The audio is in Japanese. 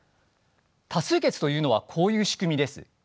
多数決というのはこういう仕組みです。